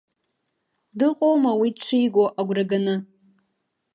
Дыҟоума уи дшиго агәра ганы?